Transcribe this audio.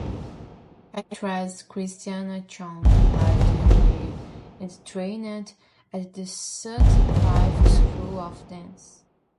Actress Christina Chong lived here and trained at the Sutcliffe School of Dance.